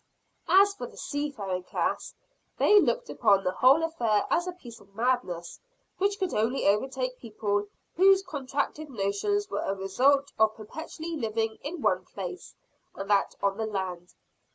As for the seafaring class, they looked upon the whole affair as a piece of madness, which could only overtake people whose contracted notions were a result of perpetually living in one place, and that on the land.